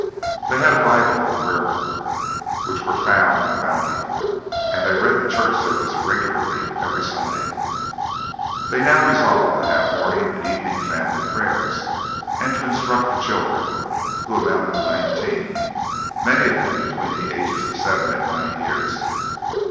They had a Bible and a Prayer Book, which were found in the Bounty, and they read the Church Service regularly every Sunday. They now resolved to have morning and evening family prayers, and to instruct the children, who amounted to nineteen, many of them between the ages of seven and nine years.